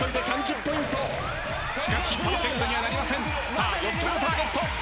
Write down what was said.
さあ４つ目のターゲット。